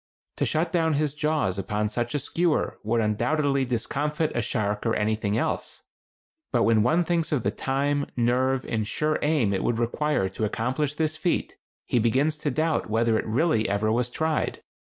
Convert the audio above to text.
To shut down his jaws upon such a skewer would undoubtedly discomfit a shark or anything else; but when one thinks of the time, nerve, and sure aim it would require to accomplish this feat, he begins to doubt whether it really ever was tried.